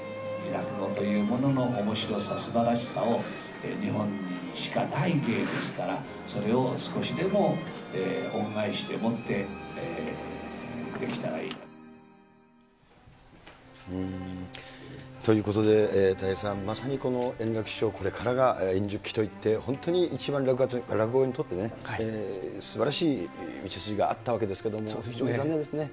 落語というもののおもしろさ、すばらしさを、日本にしかない芸ですから、それを少しでも恩返しでもって、できたらいいな。ということで、たい平さん、まさに円楽師匠、これからが円熟期といって、本当に一番落語にとってね、すばらしい道筋があったわけですけれども、残念ですね。